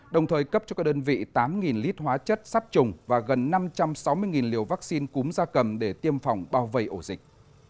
đồng thời cấp cho các đơn vị tám lít hóa chất sát trùng và gần năm trăm sáu mươi liều vaccine cúm da cầm để tiêm phòng bao vây ổ dịch